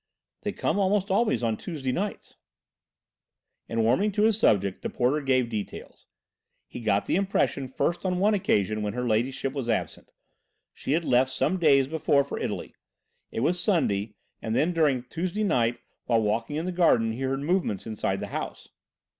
"They come almost always on Tuesday nights." And warming to his subject the porter gave details. He got the impression first on one occasion when her Ladyship was absent. She had left some days before for Italy. It was Sunday, and then during Tuesday night while walking in the garden he heard movements inside the house.